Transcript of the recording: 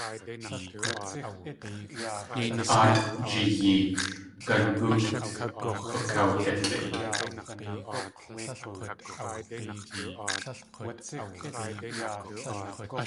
Áatʼ jiyeet, gangookt k̲ukawdikʼítʼ.